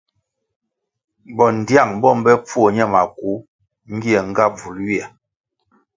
Bondtiang bo mbe pfuo ñe maku ngie nga bvul ywia.